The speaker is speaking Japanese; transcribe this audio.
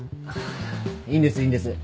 いいんですいいんです。